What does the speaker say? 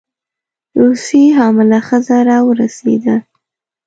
روسۍ حامله ښځه راورسېده.